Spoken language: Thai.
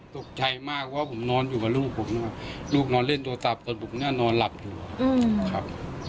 ตกใจมากว่าผมนอนอยู่กับลูกผมนะครับลูกนอนเล่นโทรศัพท์จนผมเนี่ยนอนหลับอยู่ครับ